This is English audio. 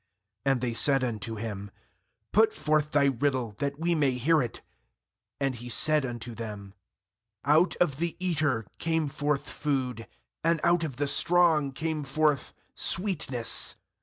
And they said unto him: 'Put forth thy riddle, that we may hear it.' 14And he said unto them: Out of the eater came forth food, And out of the strong came forth sweetness.